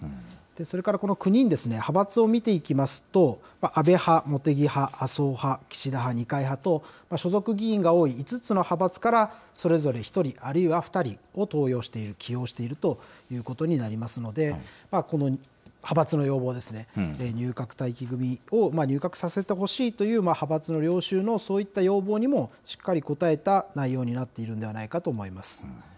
それからこの９人ですね、派閥を見ていきますと、安倍派、茂木派、麻生派、岸田派、二階派と、所属議員が多い５つの派閥からそれぞれ１人、あるいは２人を登用している、起用しているということになりますので、この派閥の要望ですね、入閣待機組を入閣させてほしいという派閥の領袖のそういった要望にもしっかり応えた内容になっているんではないかと思います。